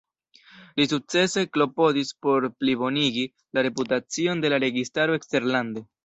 Li sukcese klopodis por plibonigi la reputacion de la registaro eksterlande.